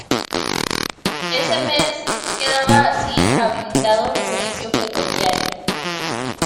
Ese mes quedaba así habilitado el servicio ferroviario.